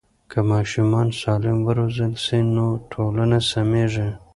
که ماشومان سالم وروزل سي نو ټولنه سمیږي.